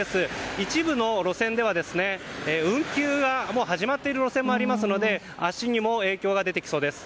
一部の路線では運休が始まっている路線もありますので足にも影響が出てきそうです。